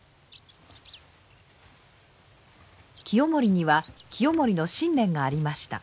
清盛には清盛の信念がありました。